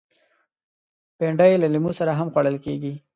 بېنډۍ له لیمو سره هم خوړل کېږي